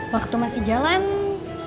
waktu masih jalan pasti punya panjang